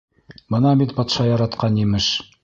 — Бына бит батша яратҡан емеш!